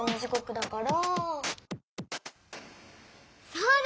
そうだ！